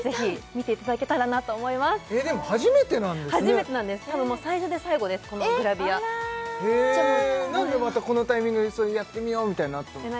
見ていただけたらなと思いますでも初めてなんですね初めてなんです多分もう最初で最後ですこのグラビアあらへえ何でまたこのタイミングでやってみようみたいになったんですか？